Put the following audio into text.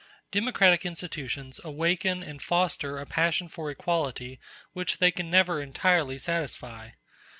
Democratic institutions awaken and foster a passion for equality which they can never entirely satisfy.